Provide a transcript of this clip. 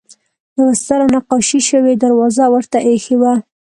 یوه ستره نقاشي شوې دروازه ورته اېښې وه.